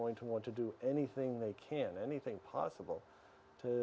orang orang akan ingin melakukan apa saja yang mereka bisa